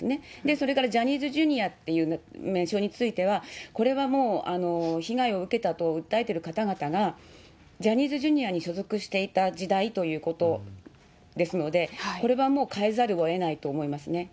それからジャニーズＪｒ．という名称については、これはもう被害を受けたと訴えている方々が、ジャニーズＪｒ．に所属していた時代ということですので、これはもう変えざるをえないと思いますね。